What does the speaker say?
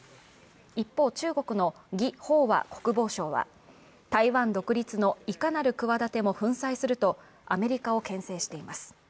一方、中国の魏鳳和国防相は台湾独立のいかなる企ても粉砕するとアメリカをけん制しています。